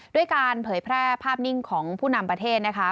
ด้วยการเผยแพร่ภาพนิ่งของผู้นำประเทศนะคะ